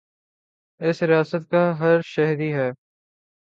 اس ریاست کا ہر شہری ہے